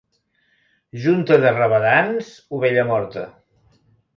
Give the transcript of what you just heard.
Junta de rabadans, ovella morta.